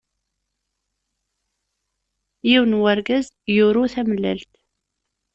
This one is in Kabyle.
yiwen n urgaz yuru tamellalt!